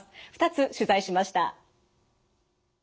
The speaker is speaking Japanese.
２つ取材しました。